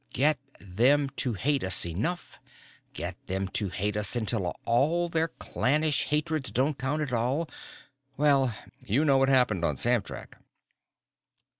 Get them to hate us enough, get them to hate us until all their own clannish hatreds don't count at all.... Well, you know what happened on Samtrak."